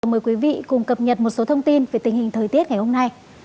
mời quý vị cùng cập nhật một số thông tin về tình hình thời tiết ngày hôm nay